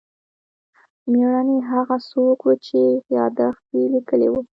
مېړنی هغه څوک و چې یادښت یې لیکلی و.